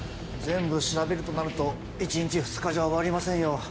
全部調べるとなると１日２日じゃ終わりませんよ。